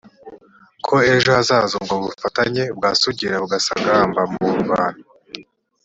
ko ejo hazaza ubwo bufatanye bwasugira bugasagamba mu bantu